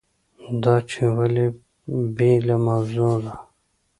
دا چې ولې بېله موضوع ده.